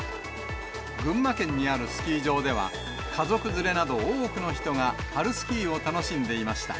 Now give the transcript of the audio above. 群馬県にあるスキー場では、家族連れなど多くの人が春スキーを楽しんでいました。